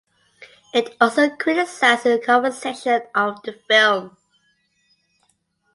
It also criticised the conversation of the film.